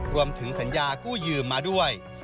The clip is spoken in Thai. รวมถึงสัญญากู้ยืมมาด้วย